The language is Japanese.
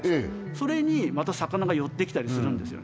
それにまた魚が寄ってきたりするんですよ